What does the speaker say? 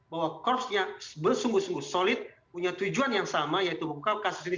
bahwa korpsnya bersungguh sungguh solid punya tujuan yang sama yaitu mengungkap kasus ini